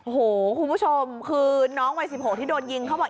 โอ้โหคุณผู้ชมคือน้องวัย๑๖ที่โดนยิงเขาบอก